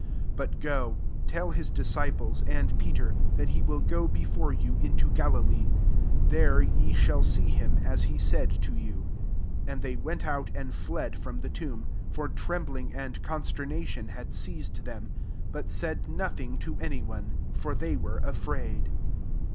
7 But go, tell his disciples, and Peter, that he will go before you into Galilee : there ye shall see bins, as he said to you." ti And they went out, and fled from the tomb ; for trembling and consternation had seized them ; but said nothing to any one ; for they were afraid.